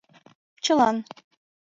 — Чылан...